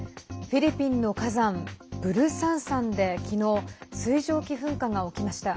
フィリピンの火山ブルサン山で、きのう水蒸気噴火が起きました。